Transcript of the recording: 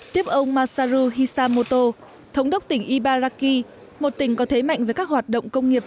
tiếp ông masaru hisamoto thống đốc tỉnh ibaraki một tỉnh có thế mạnh với các hoạt động công nghiệp